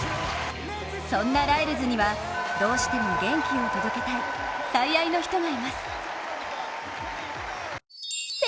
そんなライルズにはどうしても元気を届けたい最愛の人がいます。